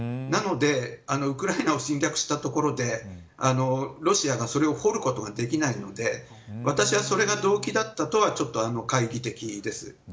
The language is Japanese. なのでウクライナを侵略したところでロシアがそれを掘ることができないので私はそれが動機だったとは懐疑的です。